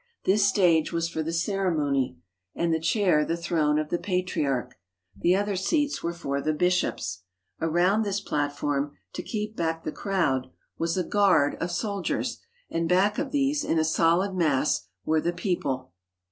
This stage was for the ceremony, and the chair the throne of the Patriarch. The other seats were for the bishops. Around this platform, to keep back the crowd, was a guard of 95 THE HOLY LAND AND SYRIA soldiers, and back of these, in a solid mass, were the people.